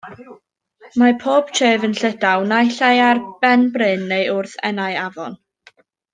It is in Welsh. Mae pob tref yn Llydaw naill ai ar ben bryn neu wrth enau afon.